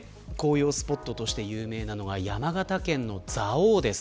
紅葉スポットとして有名なのが続いて、蔵王です。